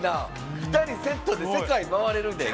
２人セットで世界回れるで。